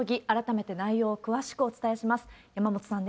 改めて内容を詳しくお伝えします。